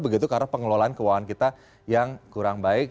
karena pengelolaan keuangan kita yang kurang baik